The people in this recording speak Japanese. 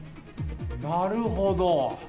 なるほど。